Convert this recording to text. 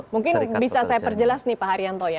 mungkin bisa saya perjelas nih pak haryanto ya